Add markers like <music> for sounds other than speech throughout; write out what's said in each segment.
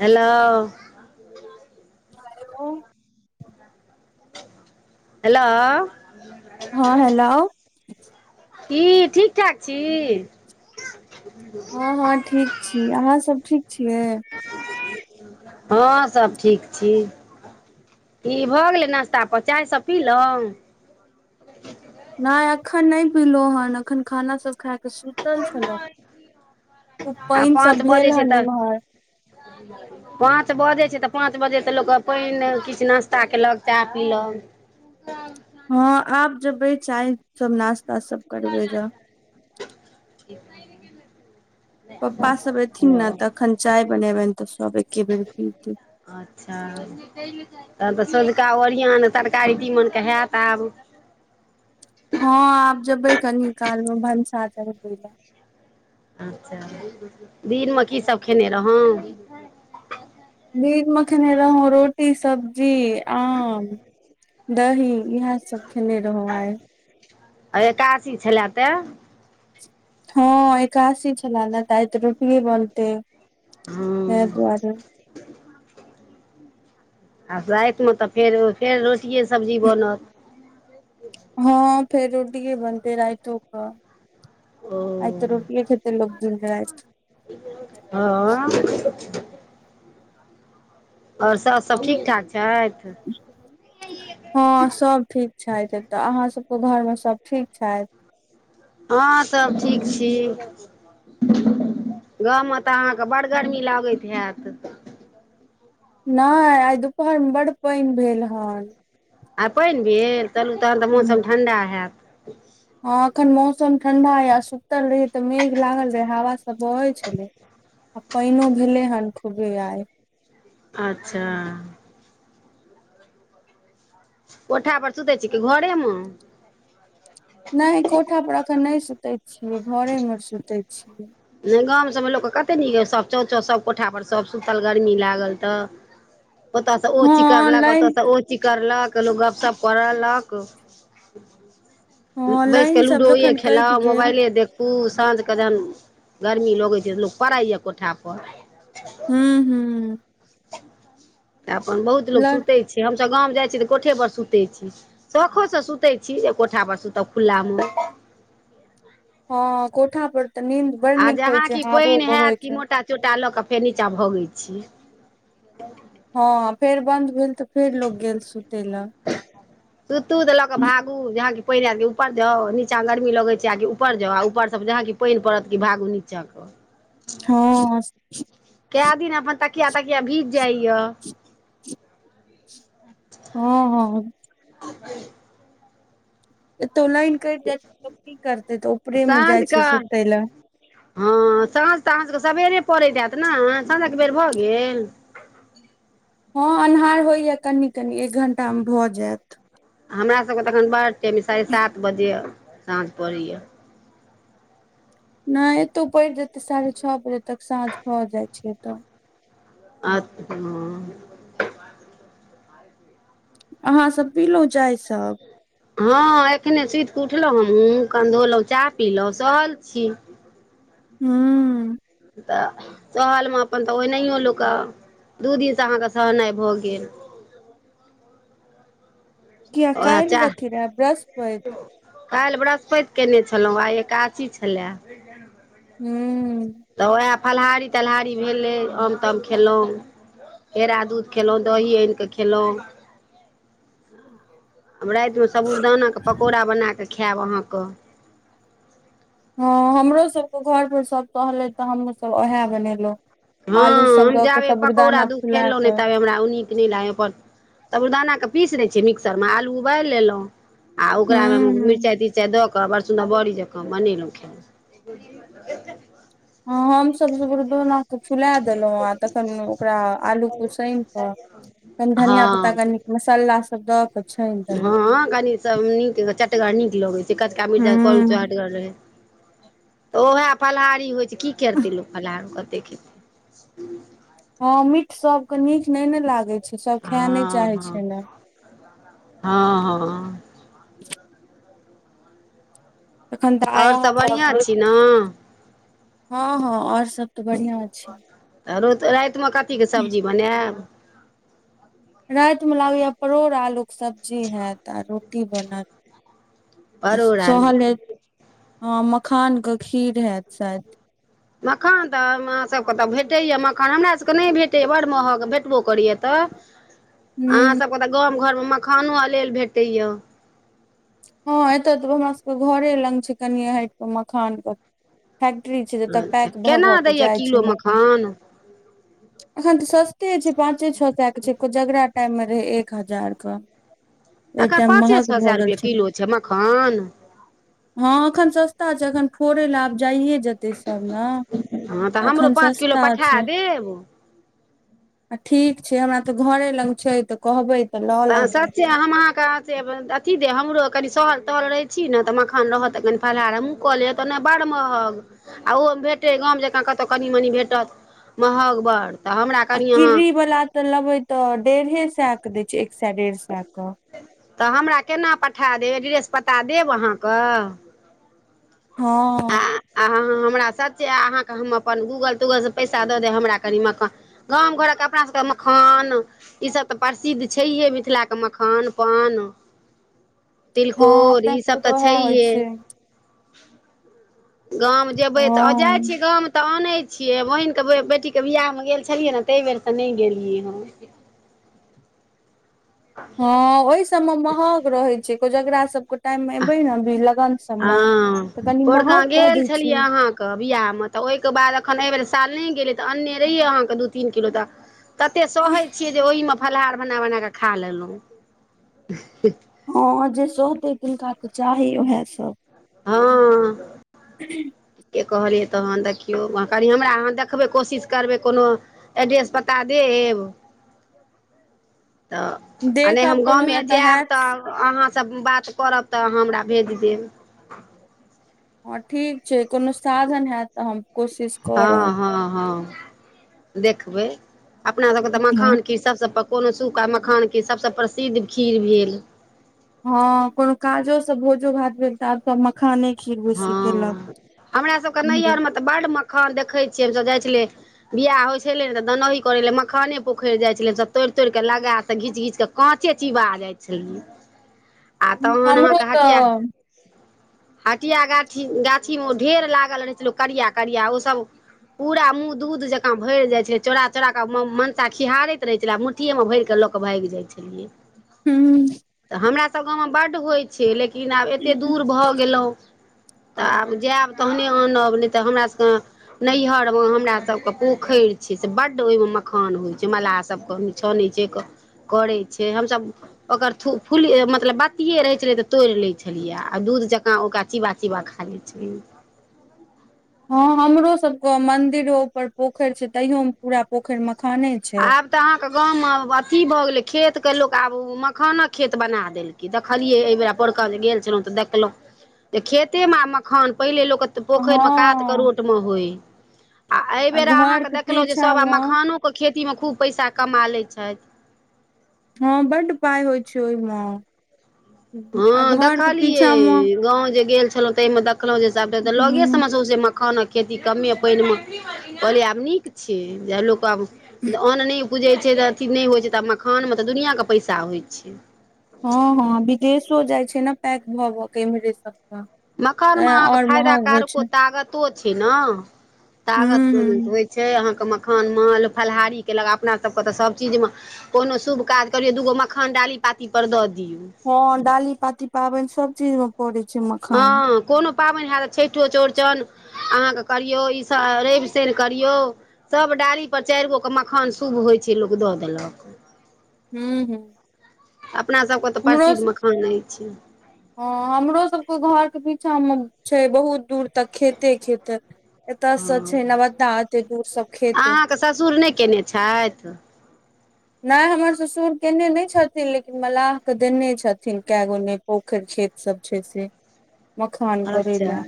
hello हँ hello hello हँ hello की ठीक ठाक छी हँ हँ ठीक छी अहाँ सब ठीक छियै हँ सभ ठीक छी की भऽ गेलै नाश्ता पान चाय सब पीलहुँ नहि अखन नहि पीलहु हन अखन खाना सब खाय के सुतल छलहु उ आ पानि पाँच सब बजै भेल छै हँ तऽ इम्हर <inaudible> पाँच बजैत छै तऽ पाँच बजे तऽ लोक क पानि किछ नाश्ता कयेलक चाह पीलक हँ आब जेबै चाय सब नाश्ता सभ <inaudible> पपा सभ एयथिन ओ न तखन चाय बनेबैन तऽ सभ एके बेर पीतै अच्छा तहन तऽ सँझका ओरियान तरकारी तीमन केऽ हैत आब हँ आब जेबै कनि काल मे भनसा चढ़बै लऽ अच्छा दिनमे की सब खेने रहौ दिन मे खेने रहौ रोटी सब्जी आम दही इहै सब खेने रहुँ आय आ एकासी छलै तैय हँ एकादशी छलै ने तऽ आय रोटी बनते हँ ताइ दुआरे <unintelligible> आब रातिमे तऽ फेर फेर रोटिए सब्जी बनत हँ फेर रोटीये बनते रातो कऽ ओ आइ तऽ रोटीेये खेतै लोक दिन राइत हँ आओर सास सब ठीक ठाक छैथ हँ सब ठीक छैथ तऽ अहाँ सबके घरमे सब ठीक छैथ हँ सब ठीक छी गाँव म तऽ अहाँ क बड़ गर्मी लागैत हैत नाइ आइ दुपहर मे बड पाइन भेल हन आ पानि भेल चलू तहन तऽ मौसम ठण्डा हैत हँ एखन मौसम ठंडा या सुतल रहै तऽ मेघ लागल रहै हवा सभ बहैत छलै आ पाइनो भेले हन खूबे आय अच्छह कोठा पर सुतै छी की घरे मऽ नइ कोठा पर अखन नइ सुतै छियै घरे म सुतै छियै नइ गाँव सभमे लोकके कतेक निक सभ चौ चौ सभ कोठा पर सभ सुतल गर्मी लागल तऽ ओतऽ सँ ओ हँ चीकरलक लाइन ओतऽ सँ ओ चीकरलक कहलहुँ गपशप करलक हँ बैस लाइन कऽ सब लूडोए जखन कटि खेलाउ गेल मोबाइले देख खूब साँझ कऽ जहन गरमी लगै छै त लोक पड़ैए कोठापर हूँ हूँ तऽ अपन बहुत ल लोक सुतै छै हमसभ गाम जाइत छी तऽ कोठेपर सुतै छै शौखो से सुतै छी जे कोठा पर सुतब खुल्लामे हँ कोठा पर तऽ नींद बड़ आ नीक होइ जहाँ छै कि हावो पानि हैत बहइ कि छै मोटा चोटा लऽ कऽ फेर निचाँ भोगै छी हँ फेर बंन्द भेल तऽ फेर लोग गेल सुतय ले तुतु देेलक भागू जहाँ कि पाइन आयत कि ऊपर जाउ निचाँ गर्मी लगै छै आ कि ऊपर जाउ आर उपर सँ जहाँ कि पाइन पड़त कि भागू निचाँके हँ केए दिन अपन तकिया तकिया भीज जाइया ह ह <inaudible> एतो लाइन कटि जाइ छै त की करतै तऽ ऊपरे मे साँझ जाइ छी कऽ सुते लऽ हँ साँझ तऽ अहाँ सभके सबेरे पड़ैत आयत ने साँझक बेर भऽ गेल हँ अन्हार होइए कनि कनि एक घण्टामे भऽ जायत हमरा सभके तऽएखन बड टेम साढ़े सात बजे साँझ पड़ैए नहि एतौ पड़ि जेतै साढ़े छओ बजे तक साँझ भऽ जाइ छै एतऽ अ ह अहाँ सब पीलो चाय सब हँ एखने सुति कऽ उठलहुँ हम मुँह कन धोलहुँ चाह पीलहुँ सहल छी हू तऽ सहलमे अपन तऽ ओनाहियो लोकऽ कऽ दू दिनसँ अहाँके सहनाइ भऽ गेल किया उएह काइल चाह कथि रहै बृहस्पति काल्हि बृहस्पति केयने छलहुँं आइ एकादशी छलए <inaudible> हूँ तऽ उएह फलाहारी तलहारी भेलै आम ताम खेयलहुँ केरा दूध खेयलहुँ दही आनि कऽ खेयलहुँ हम रातिमे साबूदानाके पकौड़ा बना कऽ खायब अहाँके हँ हमरो सभके घरपर सभ टहलै तऽ हमहूँसभ उएह बनेलहुँ हँ हम जाबे पकौड़ा दुख फुला खेलहु ने कऽ तबे हमरा उनी नी ल अपन तब साबुरदानाके पीसि दै छियै मिक्सरमे आलू उबालि लेलहुँ आ ओकरामे हूँ मिरचाइ तिरच‌‌‌‌‌‌‌‌‌‌ाइ द कऽ बड़ सुन्दर बरी जँकऽ बनेलहुँ खेयहुँ <unintelligible> हँ हम सब सबूरदाना फुला देलहुं आ तखन ओकरा आलू खूब साइन कऽ कनि धनिया हँ पत्ता कनि मसाला सब दऽ क हँ कनी सब नीक चटगर नीक लगै छै कचका मिर्चा करू चहटगर रहे त ओएह फलाहारी होइ से की करतै लोक फलाहार कतेक खेतै हँ मीठ सबके नीक नहि ने लागे छै सब खायए नहि हँ चाहे हँ छै ने हँ हँ तखन तऽ आया आओर सब बढ़िआँ आहासब छी ने हँ हँ और सब तऽ बढ़ियां छै तऽ रो रातिमे कथीके सब्जी बनाब रातिमे लागेया परोड़ आलूके सब्जी होत आ रोटी बनत आ परोड़ सहल आलूके हे अ मखान के खीर हैत शायद मखान तऽ अहाँसभकेँ तऽ भेटैएा मखान हमरासभकेँ नहि भेटैए बड़ महग भेटबो करैए तऽ हूँ अहाँसभके तऽ गाम घरमे मखानो अलेल भेटैएा हँ एतऽ तऽ हमरा सबके घरे लग छै कने हटि कऽ मखान के फैक्ट्री छै जतय अच्छा पैक भऽ भऽ केना कऽ दैए जाइ छै किलो मखान एखन तऽ सस्ते छै पाँचे छ सए के छै कोजगरा टाइम मे रहे एक हजार के ओहि तखन टाइम पाँचे महग सए भऽ हजार गेल रुपे किलो छै मखान हँ एखन सस्ता छै एखन फोड़े लए आब जाइए जेतै ते सब ने हँ तऽ हमरो एखन पाँच किलो सस्ता पठा छै देब आ ठीक छै हमरा तऽ घरे लग छै तऽ कहबै तऽ लऽ त आहा लेबै सच्चे काच्चे अथी दे हमरो कनी सहल तहल रहे छी ने तऽ मखान रहत त कनी फलहार क लेब त ने बड़ महग आ ओहोमे भेटै गाम जँकाँ कतहु कनि मनि भेटत महग बड़ तऽ हमरा आ कनि अहाँ किरी वाला तऽ लेबे तऽ डेढ़े सए के दै छै एक सए डेढ़ सए के तऽ हमरा केना पठा देब एड्रेस पता देब अहाँके हँ आ अहाँ हमरा सच अहाँकेँ हम अपन गूगल तूगल सँ पैसा दऽ देब हमरा कनि मकान गाम घरके अपना सबके मखान ई सभ तऽ प्रसिद्ध छैहे मिथिलाके मखान पान हँ तिलकोर अपना सबके ईसभ तऽ उएह होइ छैहे छै गाम जेबै तऽ आ हँ जाइ छी गाम तऽ आनै छियै बहिनके बेटीक के बियाह मे गेल छलियै ने ताहि बेर तऽ नहि गेलियै हम हँ ओहि सब मे महग रहै छै कोजगरा सबके टाइम मे एबे न अभी लगन सब मे हँ तऽ कनी महग कऽ दै छै के बियाहमे तऽ ओहिके बाद एखन एहिबेर साल नहि गेलै तऽ अन्ने रहियै अहाँकेँ दू तीन किलो तऽ तते सहै छियै जे ओहिमे फलाहार बना बना कऽ खा लेलहुँ हँ जे सहतै तिनका त चाही उएह सब हँ <inaudible> के कहलियै तहन देखियौ कनि हमरा अहाँ देखबै कोशिश करबै कोनो एड्रेस पता देब <inaudible> तऽ आ नहि देखब हम कोनो गामे एतऽ जायब हैत तऽ अहाँ सँ बात करब तऽ हमरा भेज देब हँ ठीक छै कोनो साधन हैत तऽ हम कोशिश हँ करब हँ हँ देखबै अपना सबके तऽ मखान के सबसँ कोनो सूखा मखान के सभसँ प्रसिद्ध खीर भेल हँ कोनो काजो सब भोजो भात भेल तऽ आब सब म मखाने खीर बेसी हँ हमरा सबके केलक नैहरमे तऽ बड्ड मखान देखै छियै हमसभ जाइ छलियै बियाह होइ छले ने तऽ दनही करे ले मखाने पोखरि जाइ छलै सब तोड़ि तोड़िक के लगा त घीच घीच के काँचे चीबा जाय छलै हमरो त हटिया गाछी गाछीमे ढेर लागल रहै छै लोक करिया करिया ओसभ पूरा मुँह दूध जकाँ भरि जाइत छल चौरा चोरा के मनसा खिहारैत रहै छल कुट्टीएमे भरिकऽ लऽ कऽ भागि जाइ छलियै हू हमरा सब गावममे बड्ड होइ छै लेकिन आब एतेक दूर भऽ गेलहुँ तऽ आब जायब तहने आनब नहि तऽ हमरासके नैहियर मे हमरा सबके पोखरि छै से बड ओहिमे मखान होइ छै मलाह सब के छ नहि छै करै छै हमसभ ओकर फूल मतलब बत्तियए रहै छलै तऽ तोड़ि लैत छलियै आ दूध जकाँ ओकरा चिबा चिबा खा लै छै हँ हमरो सब के मंदिरो ऊपर पोखरि छै तैयो में पूरा पोखरि मखाने छै आब तऽ अहाँके गाममे अथी भऽ गेलै खेतके लोक आब मखानक खेत बना देलकै देखलियै एहि बेर पैरका जे गेल छलहुँं तऽ देखलहुँ जे खेते मे आ मखान पहिले लोक तऽ पोखरि मे कात हँ करोट मे होइ आ एहिबर घर अहाँके के देखलो जे पीछा सब आ में मखानो खेतीमे खूब पैसा कमा लै छथि हँ बड पाय होइ छै ओहिमे आ हँ घर के देखलियै पीछा मे गाँंव जे गेल छलहुं ताहि मे देखलहुँ जे सबटा तऽ लगे सम ह सौसे मखान खेती कमे पानिमे कहलै आब नीक छै जे लोक आब अन्न नहि बुजै छै तऽ अथी नहि होइ छै तऽ मखानमे तऽ दुनिआँ के पैसा होइ छै हँ हँ विदेशो जाइ छै ने पैक भऽ भऽ के इम्हरे सब तऽ मखान मे तें अहाँके और फायदा महग होइ कारको छै तागतो छै ने हू तागत हू होइ छै अहाँके मखान माल फलाहारी केलक अपना सबके तऽ सबचीज मे कोनो शुभ काज करियौ दूगो मखान डाली पाती पर दऽ दियौ हँ डाली पाती पाबन सब चीज मे पड़े छै मखान हँ कोनो पाबन हैत छठिओ चौरचन अहाँके करियौ ईसभ रवि शनि करियौ सभ डाढ़ी पर चारि गो क मखान शुभ होइ छै लोक दऽ देलक हू हू अपनासभके तऽ प्रसिद्ध मखान नहि छै हँ हमरो सबके घर के पीछा मे छै बहुत दूर तऽ खेते खेते एतऽ सँ छै हँ नबदा एते दूर सब खेते के ससुर नहि कयने छैथ नहि हमर ससुर केयने नहि छथिन लेकिन मलाह के देने छथिन कए गो मे पोखरि खेत सब छै से मखान करै लए अच्छा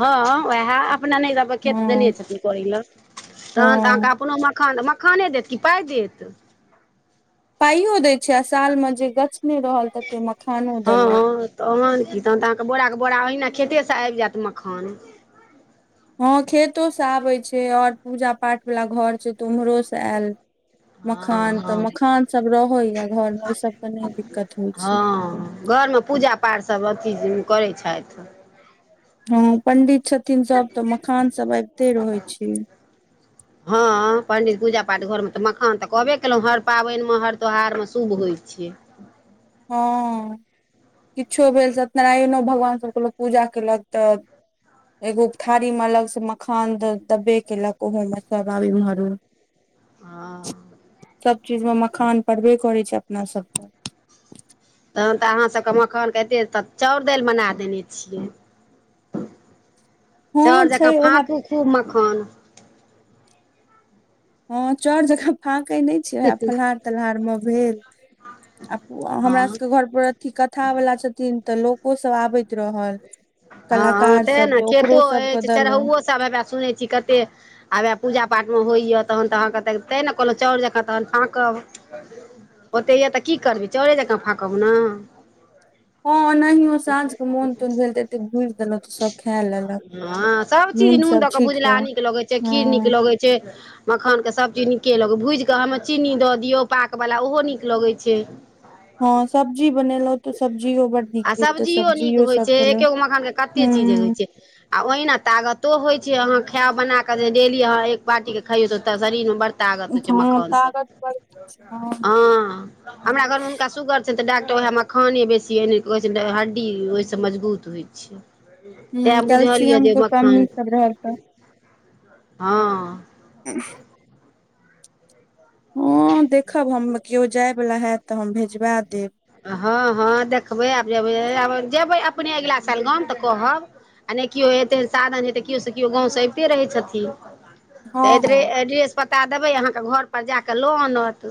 हँ उएह अपना नहि त खेत देने हँ छथिन कौड़ी ल तखन तऽ हँ अहाँकेँ अपनो मखान मखाने देत कि पाइ देत पाइयो दय छै आ साल मे जे गछने रहल तते मखानो देलक तऽ ओहन कि तहन तऽ अहाँके बोराके बोरा ओहिना खेतेसँ आबि जायत मखान हँ खेतो से आबै छै और पूजा पाठ वाला घर छै तऽ उम्हरो से आयल हँ मखान तऽ हँ मखान सब रहैया घर मे ओहि सबके नहि दिक्कत होइ छै हँ घरमे पूजा पाठ सब अथी करै छथि हँ पंडित छथिन सब तऽ मखान सब आबिते रहै छै हँ पण्डित पूजा पाठ घरमे तऽ मखान तऽ कहबे केलहुँ हर पाबनिमे हर त्यौहारमे शुभ होइ छै हँ किछो भेल सत्यनारायणो भगवान सभके लोक पूजा केलक तऽ एगो थारी मे अलग से मखान द दबे केलक ओहो में सब आब इम्हर <inaudible> हँ सब चीज मे मखान परबे करे छै अपना सबके तहन तऽ अहाँ सबके मखानके एते तक चाउर दाईल बना देने छियै हँ चाउर छै जकाँ उएह फांकू खूब मखान हँ चाउर जकाँ फाके नहि छै ओहे फलहार तलहार मे भेल आ हमरा हँ सबके घर पर ई कथा वला छथिन तऽ लोको सब आबैत रहल हँ कलाकार तेह सब ने तऽ खेतो ओकरो सबके अछि देलहुँ चढ़ौओसभ हेवए सुनैत छी कतेक आबे पूजा पाठ मे होइए तहन तऽ अहाँकेँ तऽ ते ने कहलहुँ चाउर जँकाँ तहन फाँकब ओतैय तऽ की करबै चाउरे जँकाँ फाकब न हँ ओनाहियो साँझ क मोन तोन भेल तै हँ सब चीज नून सब दऽ क छीट भुजला कऽ नीक लगैत छै हँ खीर नीक लगै होइ छै मखानके सभचीज नीके लगै भूजि कऽ हममे चीनी दऽ दियौ पाकवला ओहो नीक लगै छै हँ सब्जी बनेलहुं तऽ सब्जियो बड नीक भेल ते सब्जियो सब खेलहुँ एकेगो मखान के कते चीज होइ हूं छै आ ओहिना तागतो होइ छै अहाँ खैब बना कऽ जे डेली अहाँ एक बाटी क खइयौ त शरीर में बड़ तागत होइ छैय हँ मखान से तागत बड़ हूं हँ हमरा घर मे हुनका सुगर छनि तऽ डक्टर ओएह मखाने बेसी एन कहै छै हड्डी ओइ स मजबूत हो छै तैं बुझलइ कैल्सियम जे के कमी मखान सब रहल तऽ हँ <unintelligible> हूँ देखब हम केओ जाय वला हैत तऽ हम भेजबा देब हँ हँ देखबै आब जेबै आब जेबै अपने अगिला साल गाम तऽ कहब आ नहि केओ एतेहन साधन हेतै केओ से केओ गाँव से अबिते रहै छथिन तऽ हँ एड्रे हँ एड्रेस पता देबै अहाँके घर पर जा कऽ लऽ आनत